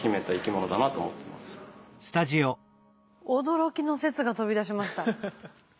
驚きの説が飛び出しました。